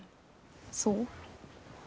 そう。